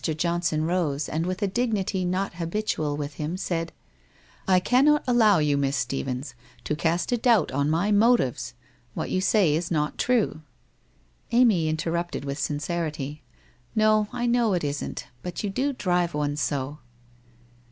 Johnson rose, and with a dignity not habitual with him, said :' I cannot allow you, Miss Stephens, to cast a doubt on my motives. What you say is not true/ Amy interrupted, with sincerity :' No, I know it isn't, but you do drive one so.'